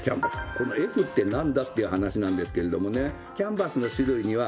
この「Ｆ」ってなんだっていう話なんですけれどもね。